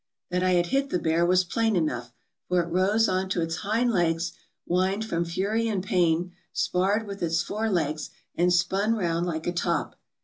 " That I had hit the bear was plain enough, for it rose on to its hind legs, whined from fury and pain, sparred with its fore legs, and spun round like a top.